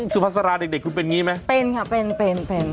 สุภาษาราเด็กคุณเป็นอย่างนี้ไหมเป็นค่ะเป็นเป็น